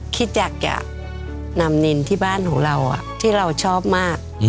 คิดอยากจะนำนินที่บ้านของเราที่เราชอบมาก